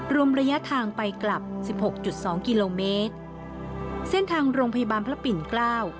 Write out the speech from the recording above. รวมระยะทางไปกลับสิบหกจุดสองกิโลเมตรเส้นทางโรงพยาบาลพระปิ่นเกล้า